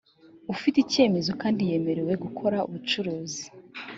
ufite icyemezo kandi yemerewe gukora ubucuruzi